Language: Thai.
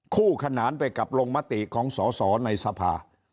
คู่ขนานไปกับลงมติของสอสอในสภา